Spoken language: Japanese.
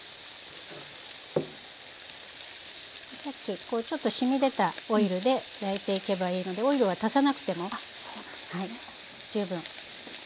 さっきこうちょっと染み出たオイルで焼いていけばいいのでオイルは足さなくても十分。